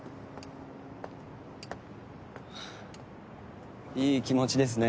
はぁいい気持ちですね。